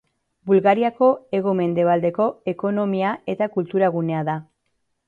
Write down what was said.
Bulgariako hego-mendebaldeko ekonomia- eta kultura-gunea da.